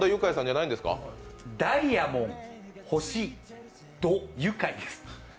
ダイヤモン☆ユカイです。